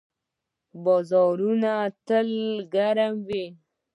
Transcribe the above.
بازارونه یې تل ګرم وي.